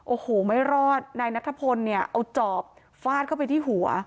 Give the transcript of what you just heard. โอ้โหไม่รอดนายนัทพลเนี่ยเอาจอบฟาดเข้าไปที่หัว